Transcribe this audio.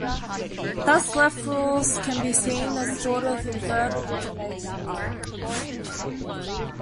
Thus, left rules can be seen as a sort of inverted elimination rule.